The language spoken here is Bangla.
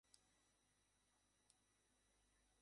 চলচ্চিত্রটিকে "গোর-প্রেমিকের স্বর্গ" হিসাবে বর্ণনা করা হয়েছে।